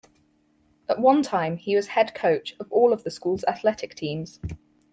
At one time, he was head coach of all of the school's athletic teams.